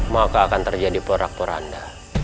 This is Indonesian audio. maka akan terjadi porak poranda